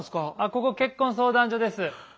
ここ結婚相談所です。